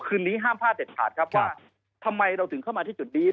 คืนนี้ห้ามพลาดเด็ดขาดครับว่าทำไมเราถึงเข้ามาที่จุดนี้